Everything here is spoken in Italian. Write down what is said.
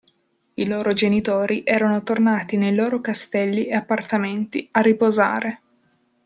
I loro genitori erano tornati nei loro castelli e appartamenti, a riposare.